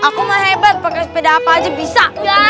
aku mah hebat pakai sepeda apa aja bisa